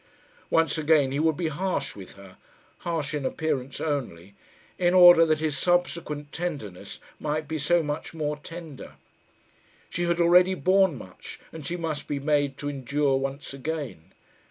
Once again he would be harsh with her harsh in appearance only in order that his subsequent tenderness might be so much more tender! She had already borne much, and she must be made to endure once again.